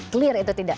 clear itu tidak